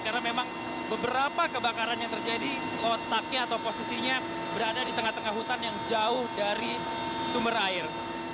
karena memang beberapa kebakaran yang terjadi otaknya atau posisinya berada di tengah tengah hutan yang jauh dari sumber air